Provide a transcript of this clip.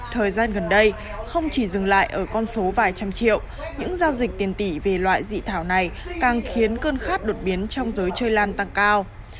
thời gian gần đây không chỉ dừng lại ở con số vài trăm triệu những giao dịch tiền tỷ về loại dị thảo này càng khiến cơn khát đột biến trong giới chơi lan tăng cao